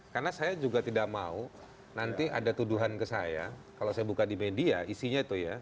karena saya juga tidak mau nanti ada tuduhan ke saya kalau saya buka di media isinya itu ya